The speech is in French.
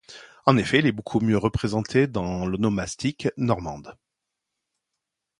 En effet, il est beaucoup mieux représenté dans l'onomastique normande.